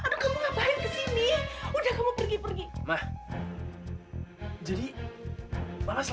raka saya gak mau pergi kamu jangan naik pak